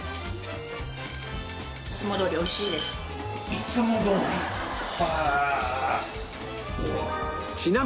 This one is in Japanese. いつもどおり？へえ！